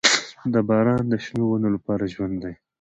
• باران د شنو ونو لپاره ژوند دی.